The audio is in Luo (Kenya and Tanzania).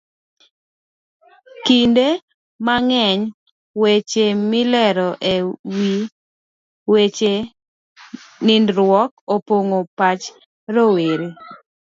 Kinde mang'eny, weche milero e wi weche nindruok opong'o pach rowere.